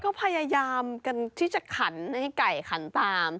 ก็พยายามกันที่จะขันให้ไก่ขันตาม